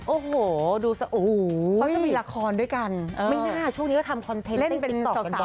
โอ้โหดูซะโอ้โหเขาจะมีละครด้วยกันไม่น่าช่วงนี้ก็ทำคอนเทนต์เล่นติ๊กต๊อกสาว